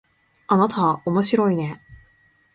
あなたおもしろいね